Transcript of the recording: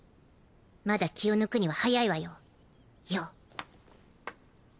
まだ気を抜くには早いわよ葉。